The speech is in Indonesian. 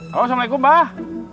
halo assalamualaikum mbah